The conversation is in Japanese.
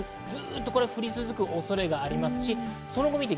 ずっと降り続く恐れがあります。